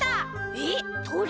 えっとり？